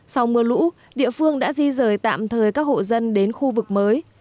sau mưa lũ địa phương đã di rời tạm thời các hộ dân đến khu vực mới